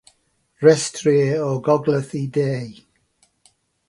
Rhestrir o'r gogledd i'r de.